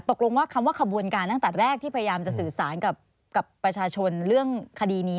ตกลงว่าคำว่าขบวนการตั้งแต่แรกที่พยายามจะสื่อสารกับประชาชนเรื่องคดีนี้